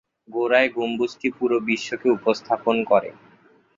গোড়ায় গম্বুজটি পুরো বিশ্বকে উপস্থাপন করে।